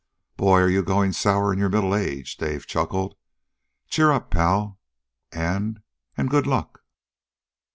"Boy, are you going sour in your middle age!" Dave chuckled. "Cheer up, pal, and and _Good luck!